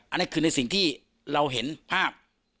อันนี้คือในสิ่งที่เราเห็นภาพ